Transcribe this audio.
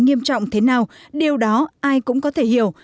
nghiêm trọng thế nào điều đó ai cũng có thể hiểu